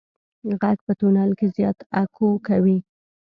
غږ په تونل کې زیات اکو کوي.